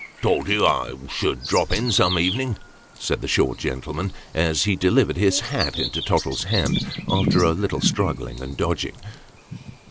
" Told you I should drop in some evening," said the short gentle man, as he delivered his hat into Tottle's hand, after a little struggling and dodging."